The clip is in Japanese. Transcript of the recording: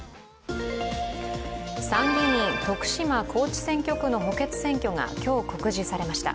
参議院・徳島高知地区の補欠選挙が今日、告示されました。